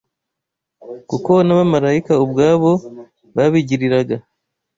kuko n’abamarayika ubwabo babigiriraga